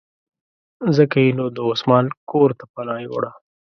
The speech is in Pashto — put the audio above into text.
ځکه یې نو د عثمان کورته پناه یووړه.